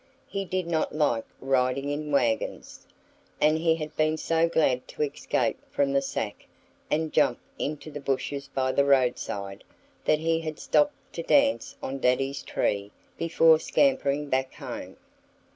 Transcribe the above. He did not like riding in wagons. And he had been so glad to escape from the sack and jump into the bushes by the roadside that he had stopped to dance on Daddy's tree before scampering back home.